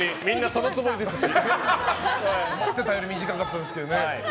思ったより短かったですね。